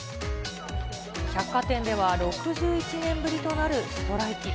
百貨店では６１年ぶりとなるストライキ。